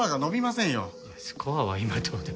スコアは今どうでも。